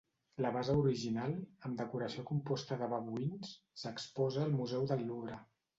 La base original, amb decoració composta de babuïns, s'exposa al Museu del Louvre.